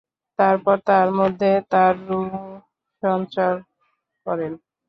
তারপর তার মধ্যে তাঁর রূহ্ সঞ্চার করেন।